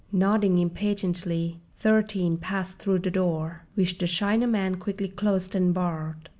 Nodding impatiently, Thirteen passed through the door, which the Chinaman quickly closed and barred.